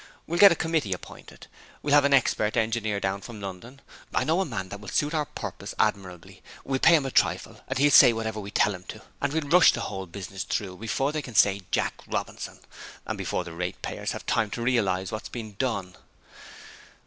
We'll get a committee appointed we'll have an expert engineer down from London I know a man that will suit our purpose admirably we'll pay him a trifle and he'll say whatever we tell him to and we'll rush the whole business through before you can say "Jack Robinson", and before the rate payers have time to realize what's being done.